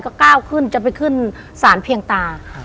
ก็ก้าวขึ้นจะไปขึ้นสารเพียงตาครับ